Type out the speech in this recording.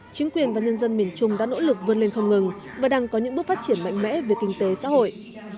chính quyền và nhân dân miền trung đã nỗ lực vươn lên không ngừng và đang có những bước phát triển mạnh mẽ về kinh tế xã hội